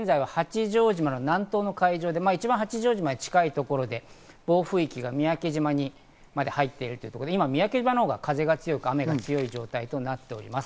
現在は八丈島の南東の海上で、一番八丈島に近いところで暴風域の三宅島にまで入ってるということで今、雨・風が強い状態となっています。